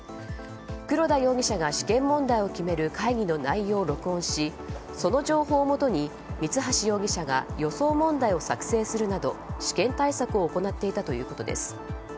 黒田容疑者が試験問題を決める会議の内容を録音しその情報をもとに三橋容疑者が予想問題を作成するなど試験対策を行っていたということです。